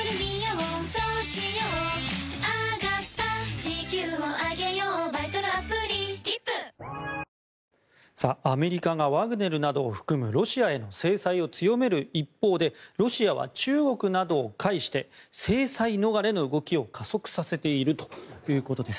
東京海上日動アメリカがワグネルなどを含むロシアへの制裁を強める一方でロシアは中国などを介して制裁逃れの動きを加速させているということです。